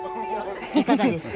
いかがですか？